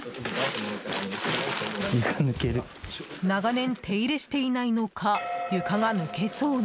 長年、手入れしていないのか床が抜けそうに。